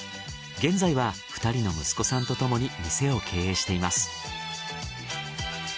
現在は２人の息子さんとともに店を経営しています。